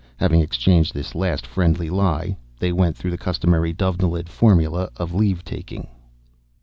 Having exchanged this last friendly lie, they went through the customary Dovenilid formula of leave taking.